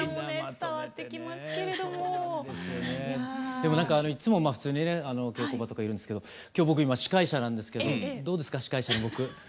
でもなんかいっつも普通に稽古場とかいるんですけど今日僕司会者なんですけどどうですか司会者の僕。